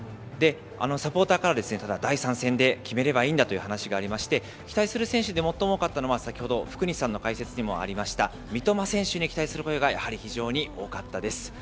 サポーターから、ただ、第３戦で決めればいいんだという話がありまして、期待する選手で最も多かったのは、先ほど、福西さんの解説にもありました三笘選手に期待する声がやはり非常に多かったです。